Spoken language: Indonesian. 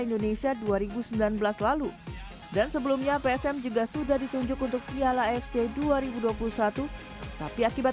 indonesia dua ribu sembilan belas lalu dan sebelumnya psm juga sudah ditunjuk untuk piala fc dua ribu dua puluh satu tapi akibat